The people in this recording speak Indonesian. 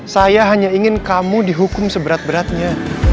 saya hanya ingin kamu dihukum seberat beratnya